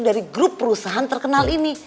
dari grup perusahaan terkenal ini